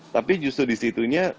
tapi justru disitunya